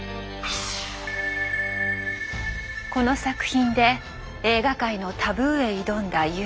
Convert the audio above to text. この作品で映画界のタブーへ挑んだ裕次郎。